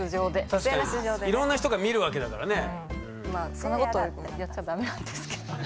そんなことやっちゃダメなんですけど。